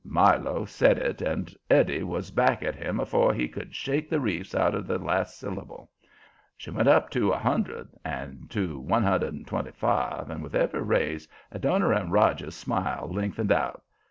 Milo said it, and Eddie was back at him afore he could shake the reefs out of the last syllable. She went up to a hundred, then to one hundred and twenty five, and with every raise Adoniram Roger's smile lengthened out.